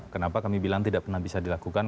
kenapa kami bilang tidak pernah bisa dilakukan